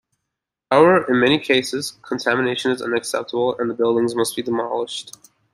However, in many cases contamination is unacceptable and the buildings must be demolished.